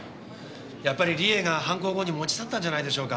やっぱり理恵が犯行後に持ち去ったんじゃないでしょうか